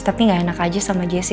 tapi gak enak aja sama jessi